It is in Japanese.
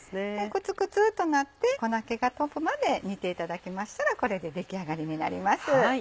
クツクツとなって粉気が飛ぶまで煮ていただきましたらこれで出来上がりになります。